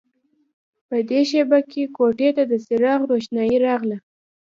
په دې شېبه کې کوټې ته د څراغ روښنايي راغله